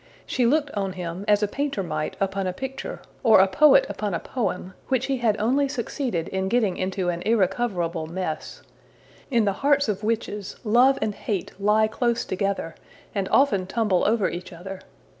She looked on him as a painter might upon a picture, or a poet upon a poem, which he had only succeeded in getting into an irrecoverable mess. In the hearts of witches, love and hate lie close together, and often tumble over each other.